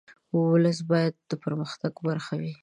ولس باید د پرمختګ برخه وي.